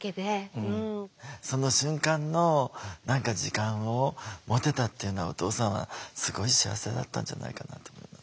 その瞬間の何か時間を持てたっていうのはお父さんはすごい幸せだったんじゃないかなと思います。